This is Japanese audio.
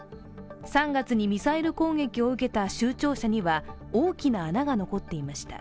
３月にミサイル攻撃を受けた州庁舎には大きな穴が残っていました。